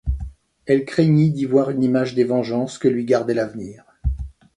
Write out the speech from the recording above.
Elle craignit d’y voir une image des vengeances que lui gardait l’avenir.